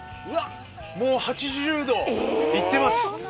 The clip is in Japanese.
うわ、もう８０度いってます。